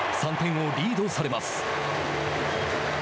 ３点をリードされます。